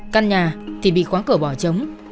căn nhà thì bị khóa cửa bỏ chống